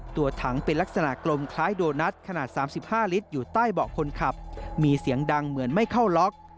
ตัวถังเป็นลักษณะกลมคล้ายโดนัทขนาด๓๕ลิตรอยู่ใต้เบาะคนขับมีเสียงดังเหมือนไม่เข้าล็อก